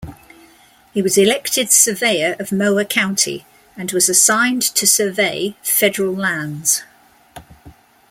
He was elected surveyor of Mower County, and was assigned to survey federal lands.